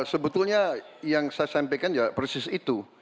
sebetulnya yang saya sampaikan ya persis itu